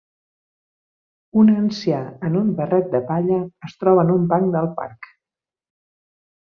Un ancià en un barret de palla es troba en un banc del parc